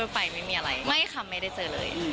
ไม่มีอะไรขับไม่ได้เจอเลย